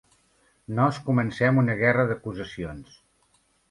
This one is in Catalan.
Nos comencem una guerra d'acusacions.